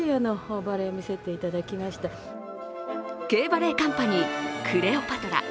Ｋバレエカンパニー「クレオパトラ」。